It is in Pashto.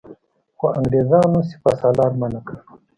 خو انګرېزانو سپه سالار منع کړ.